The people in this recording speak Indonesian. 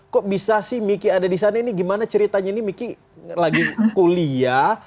kok bisa sih miki ada di sana ini gimana ceritanya ini miki lagi kuliah